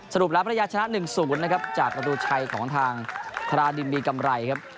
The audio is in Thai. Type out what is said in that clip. สรุปแล้วภรรยาชนะ๑๐นะครับจากประตูชัยของทางธนาดินมีกำไรครับ